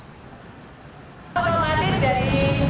kalau kemarin jadi pihak pin sudah ada proses urusan